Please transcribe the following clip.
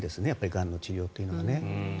がんの治療というのは。